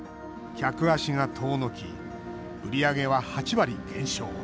客足が遠のき売り上げは８割減少。